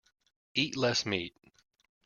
Eat less meat.